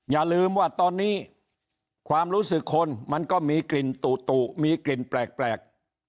อย่าลืมว่าตอนนี้ความรู้สึกคนมันก็มีกลิ่นตุมีกลิ่นแปลก